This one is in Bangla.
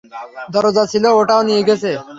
দরজা ছিল ওটাও নিয়ে গেছে।